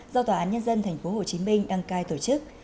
do tòa án nhân dân tp hcm đăng cai tổ chức